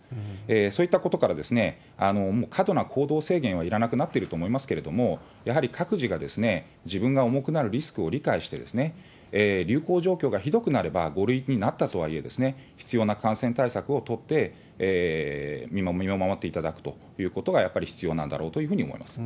そういったことから、もう過度な行動制限はいらなくなってると思いますけれども、やはり各自が、自分が重くなるリスクを理解して、流行状況がひどくなれば、５類になったとはいえ、必要な感染対策を取って見守っていただくということが、やっぱり必要なんだろうというふうに思います。